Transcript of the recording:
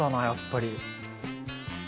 やっぱり。